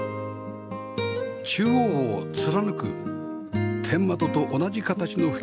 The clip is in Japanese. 中央を貫く天窓と同じ形の吹き抜け